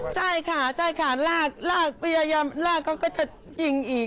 ใช่ค่ะใช่ค่ะลากลากพยายามลากเขาก็จะยิงอีก